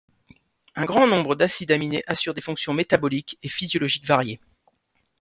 Un grand nombre d'acides aminés assurent des fonctions métaboliques et physiologiques variées.